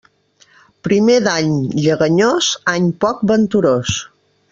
Primer d'any lleganyós, any poc venturós.